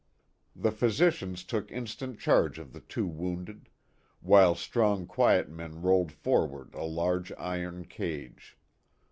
The physicians took instant charge of the two wounded ; while strong quiet men rolled forward a large iron cage.